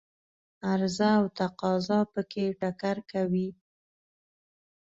عرضه او تقاضا په کې ټکر کوي.